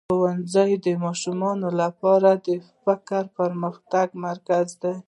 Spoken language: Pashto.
ښوونځی د ماشومانو لپاره د فکري پرمختګ مرکز دی.